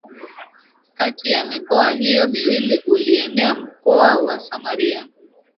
Kati ya mikoa hiyo miwili ulienea mkoa wa Samaria